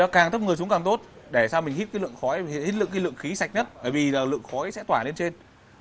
càng thấp người xuống càng tốt để sao mình hít lượng khí sạch nhất bởi vì lượng khói sẽ tỏa lên trên